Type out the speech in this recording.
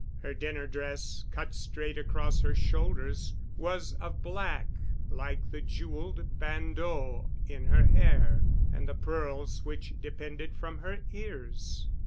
Her dinner dress, cut straight across her shoulders, was of black, like the jewelled bandeau in her hair and the pearls which depended from her ears.